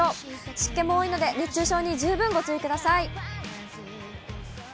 湿気も多いので熱中症に十分ご注意ください。